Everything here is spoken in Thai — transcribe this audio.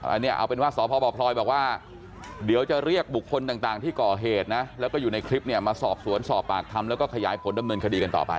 อันนี้เอาเป็นว่าสพบพลอยบอกว่าเดี๋ยวจะเรียกบุคคลต่างที่ก่อเหตุนะแล้วก็อยู่ในคลิปเนี่ยมาสอบสวนสอบปากคำแล้วก็ขยายผลดำเนินคดีกันต่อไป